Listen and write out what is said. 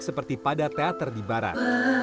seperti pada teater di barat